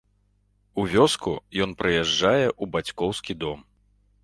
У вёску ён прыязджае ў бацькоўскі дом.